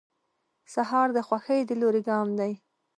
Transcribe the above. سهار د خوښۍ د لوري ګام دی.